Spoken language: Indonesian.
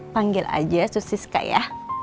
panggil aja sus siska ya